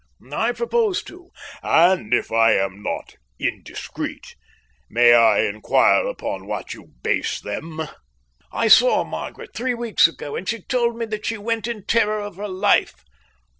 "I propose to." "And, if I am not indiscreet, may I inquire upon what you base them?" "I saw Margaret three weeks ago, and she told me that she went in terror of her life."